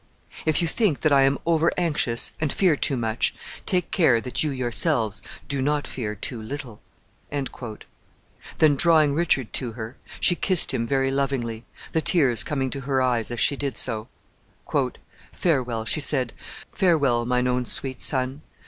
If you think that I am over anxious and fear too much, take care that you yourselves do not fear too little." Then drawing Richard to her, she kissed him very lovingly, the tears coming to her eyes as she did so. "Farewell," she said, "farewell, mine own sweet son.